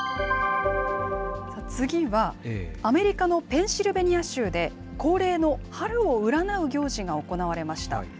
次は、アメリカのペンシルベニア州で、恒例の春を占う行事が行われました。